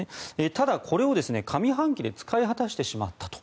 ただ、これを上半期で使い果たしてしまったと。